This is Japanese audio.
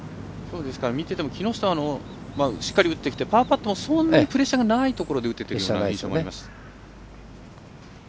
見てても木下しっかり打ってきてパーパットもそんなにプレッシャーがないところで打ててると思います。